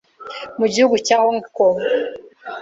mu gihugu cya Hong Kongo